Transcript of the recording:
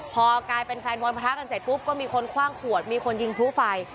พอกลายเป็นแฟนบอลประทะกันเสร็จปุ๊บก็มีคนคว่างขวดมีคนยิงพลุไฟ